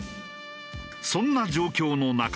そんな状況の中